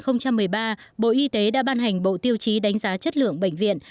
năm hai nghìn một mươi ba bộ y tế đã ban hành bộ tiêu chí đánh giá chất lượng bệnh viện